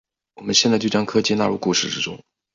我们现在就将科技纳入故事之中。